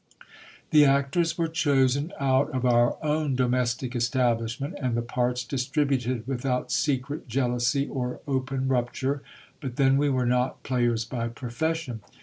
The actors were chosen out of our own domestic establishment, and the parts distributed without secret jealousy or open rupture, but then we were not players by profession.